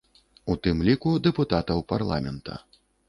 У тым ліку, дэпутатаў парламента.